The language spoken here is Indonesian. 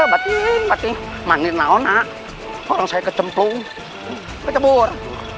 batin batin manis naona orang saya kecemplung kecebur